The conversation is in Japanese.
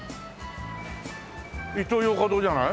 イトーヨーカドーじゃない？